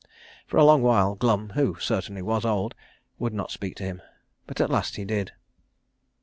For a long while Glum, who certainly was old, would not speak to him; but at last he did.